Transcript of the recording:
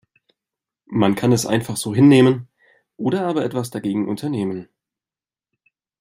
Man kann es einfach so hinnehmen oder aber etwas dagegen unternehmen.